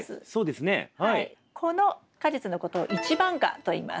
この果実のことを一番果といいます。